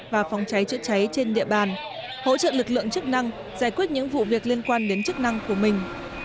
và phòng cháy chữa cháy trên địa bàn hỗ trợ lực lượng chức năng giải quyết những vụ việc liên quan đến chức năng của mình